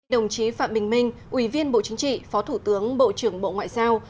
đồng chí phạm bình minh ủy viên bộ chính trị phó thủ tướng bộ trưởng bộ ngoại giao